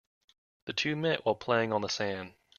The two met while playing on the sand.